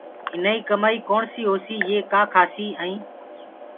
اينآئيٚ ڪمآئيٚ ڪوڻسيٚ هوسيٚ يي ڪآ کآسي ائينٚ